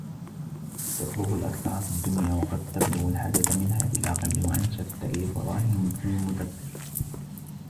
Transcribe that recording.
تَطْلُبُ الْأَكْثَرَ فِي الدُّنْيَا وَقَدْ تَبْلُغُ الْحَاجَةَ مِنْهَا بِالْأَقَلِّ وَأَنْشَدْتُ لِإِبْرَاهِيمَ بْنِ الْمُدَبَّرِ